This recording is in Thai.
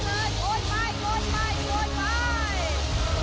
เอาทุกข้างตรงนี้จะเป็นหุ้มภาพไหนจังหวะไหน